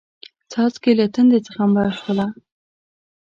څاڅکې له تندې څخه مړه شوله